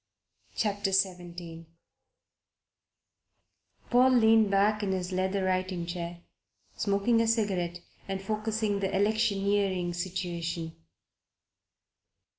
CHAPTER XVII PAUL leaned back in his leather writing chair, smoking a cigarette and focussing the electioneering situation.